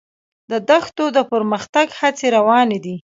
د دښتو د پرمختګ هڅې روانې دي.